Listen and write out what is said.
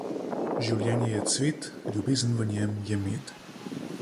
Življenje je cvet, ljubezen v njem je med.